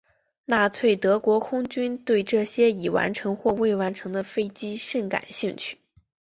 纳粹德国空军对这些已完成或未完成的飞机甚感兴趣。